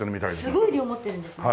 すごい量持ってるんですね。